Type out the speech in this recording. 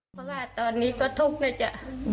เพราะว่าตอนนี้ก็ทุกข์นะจ๊ะ